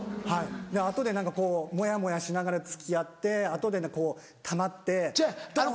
後で何かこうもやもやしながら付き合って後でたまってドン！